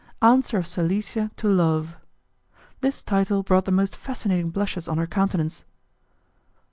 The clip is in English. "Answer of Silesia to Love." This title brought the most fascinating blushes on her countenance.